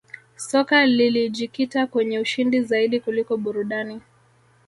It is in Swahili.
soka lilijikita kwenye ushindi zaidi kuliko burudani